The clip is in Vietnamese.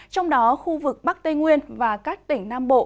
trong đó khu vực bắc tây nguyên và các tỉnh nam bộ